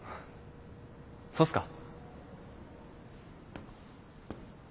そうっすか。